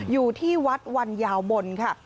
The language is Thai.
อยู่ที่วัดวันยาวบนค่ะ